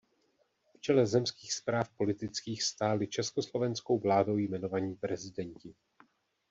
V čele zemských správ politických stáli československou vládou jmenovaní prezidenti.